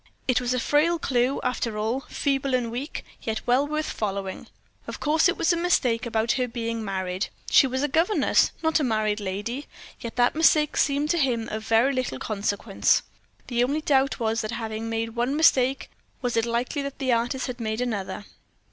It was a frail clew, after all, feeble and weak, yet well worth following. Of course, it was all a mistake about her being married she was a governess, not a married lady; yet that mistake seemed to him of very little consequence. The only doubt was that having made one mistake, was it likely the artist had made another?